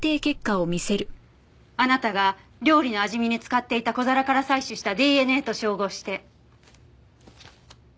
あなたが料理の味見に使っていた小皿から採取したＤＮＡと照合して。